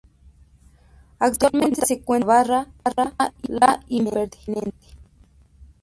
Actualmente se cuenta con la barra "La Impertinente".